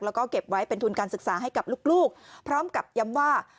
แล้วก็เก็บไว้เป็นทุนการศึกษาให้กับลูกพร้อมกับย้ำว่า